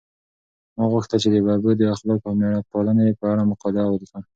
ما غوښتل چې د ببو د اخلاقو او مېړه پالنې په اړه مقاله ولیکم.